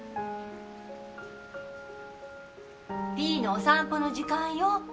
ピーのお散歩の時間よ